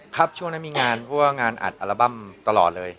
ครับช่วงนั้นมีงานเพราะว่างานอัดอัลบั้มตลอดเลย